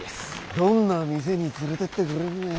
どんな店に連れてってくれるのやら。